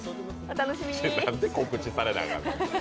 なんで告知されなあかんねん。